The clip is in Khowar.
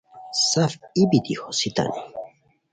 سف ای بیتی ہوسیتانی